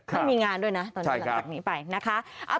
ไม่มีงานด้วยนะตอนนี้หลังจากนี้ไปนะคะ